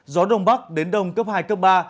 gió đông bắc đến đông cấp hai cấp ba